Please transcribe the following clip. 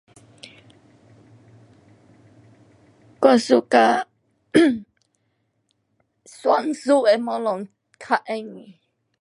我 suka 算数的东西较容易。